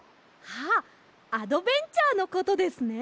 あっアドベンチャーのことですね。